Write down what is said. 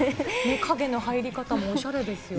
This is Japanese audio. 影の入り方もおしゃれですよね。